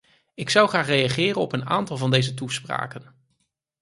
Ik wil graag reageren op een aantal van deze toespraken.